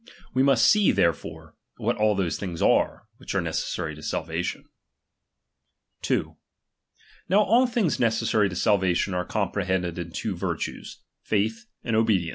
We must see, therefore, what all thra "■' things are, which are necessary to salvation. AiiihinffinB 2. Now ail thiugs necessary to salvation are .aUdn, BTE ron Comprehended in two virtues, /a //A and obedience.